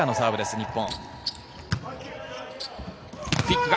日本。